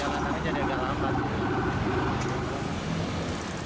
jalan jalannya jadi agak lambat